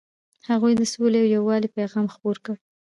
هغوی د سولې او یووالي پیغام خپور کړ.